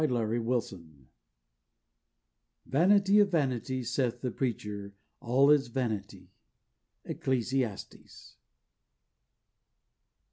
VANITY FAIR "Vanity of vanities, saith the preacher, all is vanity." ECCLESIASTES.